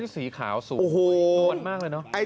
สีขาวสูงโอ้โห